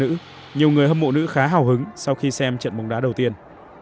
nhiều người hâm mộ nữ khá hào hứng sau khi xem trận bóng đá đầu tiên